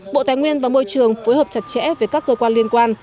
bộ tài nguyên và môi trường phối hợp chặt chẽ với các cơ quan liên quan